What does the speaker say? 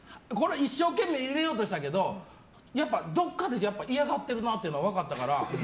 一生懸命、入れようとしたけどやっぱどこかで嫌がってるなっていうのが分かったから。